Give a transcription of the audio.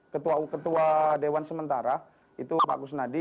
pyd ketua dewan sementara itu pak gusnadi